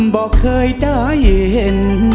บอกเคยได้เห็น